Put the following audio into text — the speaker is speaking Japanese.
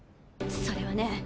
それはね